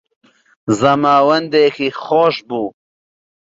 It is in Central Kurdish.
زەماوندێکی خۆش بوو